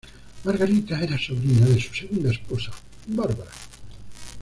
Margarita era sobrina de su segunda esposa Bárbara.